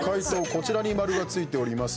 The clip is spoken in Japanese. こちらに丸がついております。